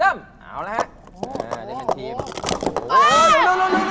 เออไม่เป็นไรตื่นเต้นนิดหน่อย